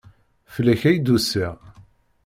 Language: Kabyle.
Fell-ak ay d-usiɣ.